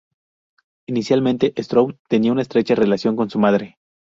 Inicialmente, Stroud tenía una estrecha relación con su madre.